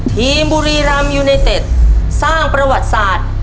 ทีมบุรีรัมย์ยูในเต็ดสร้างประวัติศาสตร์